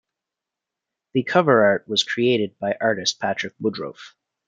The cover art was created by artist Patrick Woodroffe.